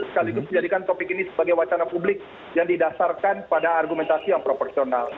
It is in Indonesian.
sekaligus menjadikan topik ini sebagai wacana publik yang didasarkan pada argumentasi yang proporsional